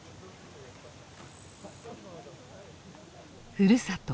ふるさと